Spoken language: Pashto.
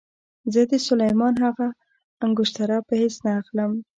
زه د سلیمان هغه انګشتره په هېڅ نه اخلم.